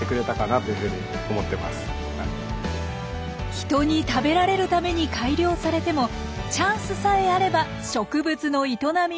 人に食べられるために改良されてもチャンスさえあれば植物の営みを取り戻す。